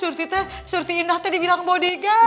surti teh surti indah teh dibilang bodyguard